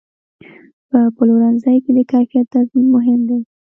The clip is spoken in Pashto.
په پلورنځي کې د کیفیت تضمین مهم دی.